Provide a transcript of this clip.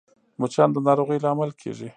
مچان د ناروغیو لامل کېږي